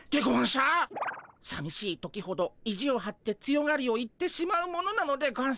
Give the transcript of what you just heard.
さみしい時ほど意地をはって強がりを言ってしまうものなのでゴンス。